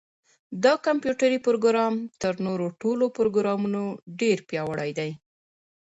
دا کمپیوټري پروګرام تر نورو ټولو پروګرامونو ډېر پیاوړی دی.